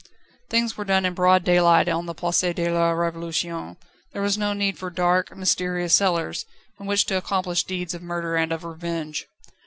Things were done in broad daylight on the Place de la Révolution: there was no need for dark, mysterious cellars, in which to accomplish deeds of murder and of revenge.